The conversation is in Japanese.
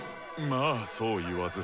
まあそう言わず。